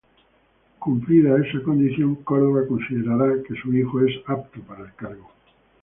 Cumplida esa condición, Córdoba considerará que su hijo es apto para el cargo.